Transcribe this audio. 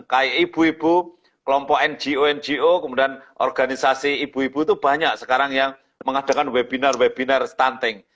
kayak ibu ibu kelompok ngo ngo kemudian organisasi ibu ibu itu banyak sekarang yang mengadakan webinar webinar stunting